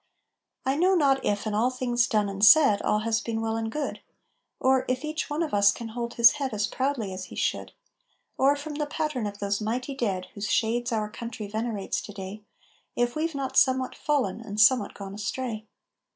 I know not if in all things done and said All has been well and good, Or if each one of us can hold his head As proudly as he should, Or, from the pattern of those mighty dead Whose shades our country venerates to day, If we've not somewhat fallen and somewhat gone astray.